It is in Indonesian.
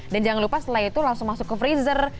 dan jangan lupa setelah itu langsung masuk ke freezer